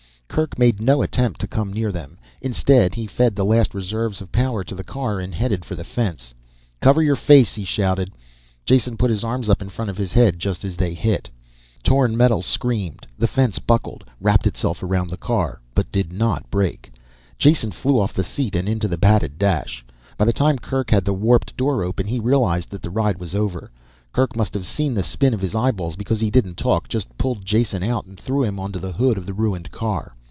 Kerk made no attempt to come near them. Instead he fed the last reserves of power to the car and headed for the fence. "Cover your face," he shouted. Jason put his arms in front of his head just as they hit. Torn metal screamed, the fence buckled, wrapped itself around the car, but did not break. Jason flew off the seat and into the padded dash. By the time Kerk had the warped door open, he realized that the ride was over. Kerk must have seen the spin of his eyeballs because he didn't talk, just pulled Jason out and threw him onto the hood of the ruined car.